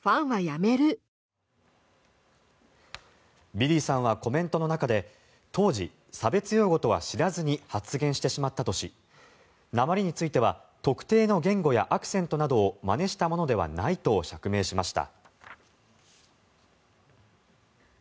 ビリーさんはコメントの中で当時、差別用語とは知らずに発言してしまったとしなまりについては特定の言語やアクセントなどをまねしたものではないと釈明しました。